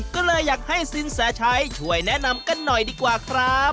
ก็เลยอยากให้สินแสชัยช่วยแนะนำกันหน่อยดีกว่าครับ